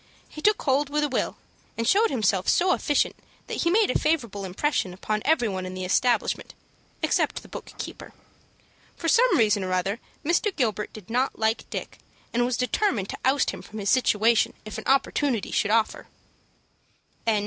He took hold with a will, and showed himself so efficient that he made a favorable impression upon every one in the establishment, except the book keeper. For some reason or other Mr. Gilbert did not like Dick, and was determined to oust him from his situation if an opportunity should offer. CHAPTER IV.